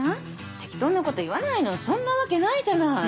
適当なこと言わないのそんなわけないじゃない。